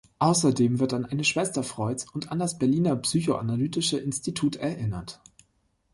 Außerdem wird an eine Schwester Freuds und an das Berliner Psychoanalytische Institut erinnert.